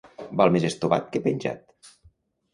Val més estovat que penjat.